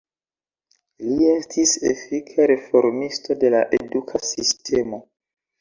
Li estis efika reformisto de la eduka sistemo.